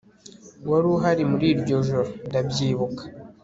Wari uhari muri iryo joro Ndabyibuka